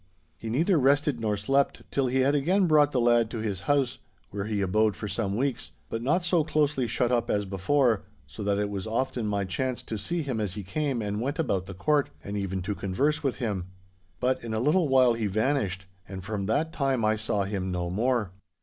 He neither rested nor slept till he had again brought the lad to his house, where he abode for some weeks, but not so closely shut up as before, so that it was often my chance to see him as he came and went about the court, and even to converse with him. But in a little while he vanished, and from that time I saw him no more.